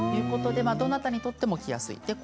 どなたにとっても着やすいんです。